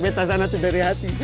meta sana tuh dari hati